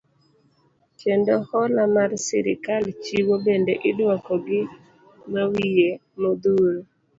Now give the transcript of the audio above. Kendo hola ma sirikal chiwo, bende iduoko gi mawiye modhuro.